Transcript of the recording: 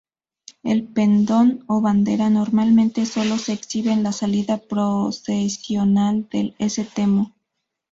El pendón o bandera normalmente sólo se exhibe en la salida procesional del "Stmo.